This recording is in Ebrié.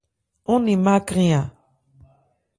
Ɔ́n ne bha krɛn a.